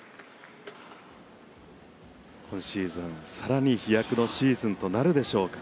今シーズン更に飛躍のシーズンとなるでしょうか。